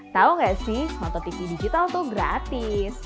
tau gak sih nonton tv digital tuh gratis